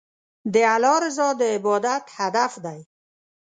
د الله رضا د عبادت هدف دی.